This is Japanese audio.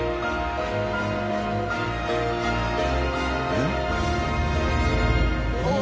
えっ？